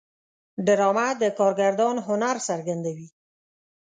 ډرامه د کارگردان هنر څرګندوي